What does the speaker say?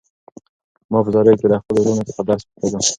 ما به په زاریو له خپلو وروڼو څخه درس پوښتلو.